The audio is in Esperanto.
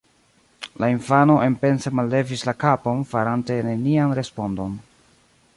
La infano enpense mallevis la kapon, farante nenian respondon.